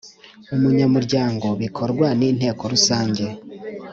Umunyamuryango bikorwa n inteko rusange